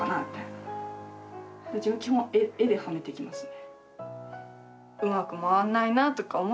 うちは基本絵ではめていきますね。